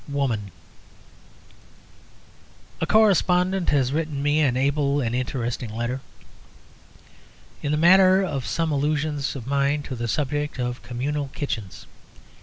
WOMAN A correspondent has written me an able and interesting letter in the matter of some allusions of mine to the subject of communal kitchens.